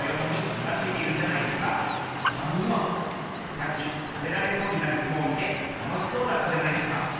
さっき食べられそうになるクモを見て楽しそうだったじゃないですか。